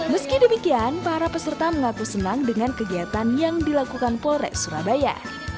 meski demikian para peserta mengaku senang dengan kegiatan yang dilakukan polres surabaya